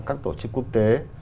các tổ chức quốc tế